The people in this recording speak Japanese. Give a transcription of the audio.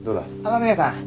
雨宮さん。